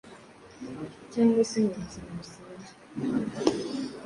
cyangwa se mubuzima busanzwe